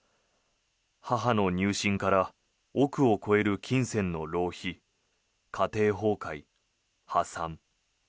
母の入信から億を超える金銭の浪費家庭崩壊、破産。